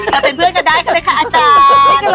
ได้จะเป็นเพื่อนก็ได้นิดค่ะ